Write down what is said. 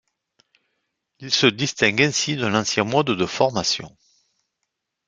Il se distingue ainsi de l'ancien mode de formation.